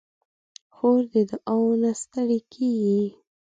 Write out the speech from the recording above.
خور د دعاوو نه ستړې کېږي.